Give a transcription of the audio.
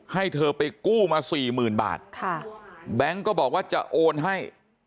ให้เธอไปกู้มาสี่หมื่นบาทค่ะแบงค์ก็บอกว่าจะโอนให้